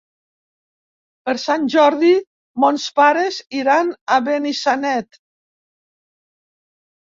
Per Sant Jordi mons pares iran a Benissanet.